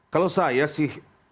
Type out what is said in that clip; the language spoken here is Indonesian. kalau saya sih